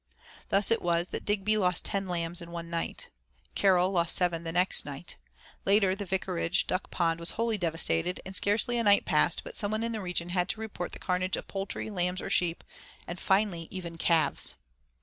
Thus it was that Digby lost ten lambs in one night. Carroll lost seven the next night. Later, the vicarage duck pond was wholly devastated, and scarcely a night passed but someone in the region had to report a carnage of poultry, lambs or sheep, and, finally even calves.